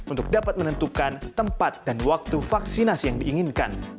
untuk dapat menentukan tempat dan waktu vaksinasi yang diinginkan